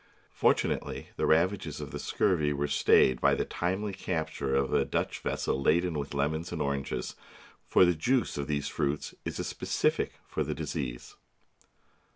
Fortunately, the ravages of the scurvy were stayed by the timely capture of a Dutch vessel laden with lemons and oranges; for the juice of these fruits is a specific for the disease.